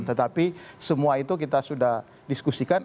tetapi semua itu kita sudah diskusikan